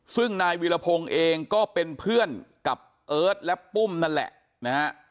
ซึ่งนายวีรพงศ์เองก็เป็นเพื่อนกับเอิร์ทและปุ้มนั่นแหละนะฮะ